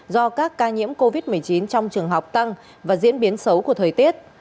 do các ca nhiễm covid một mươi chín trong trường học tăng và diễn biến xấu của thời tiết